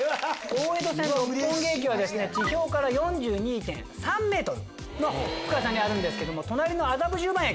大江戸線の六本木駅は地表から４２．３ｍの深さにあるんですけども隣の麻布十番駅